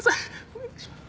お願いします。